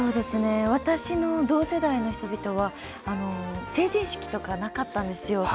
私の同世代の人々は成人式とかなかったんですよ。